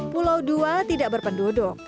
pulau dua tidak berpenduduk